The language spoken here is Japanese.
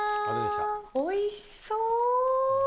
おいしそう。